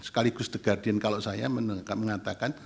sekaligus the guardian kalau saya mengatakan